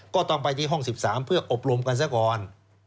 ก็ต้องไปที่ห้อง๑๓เพื่ออบรมกันซะก่อน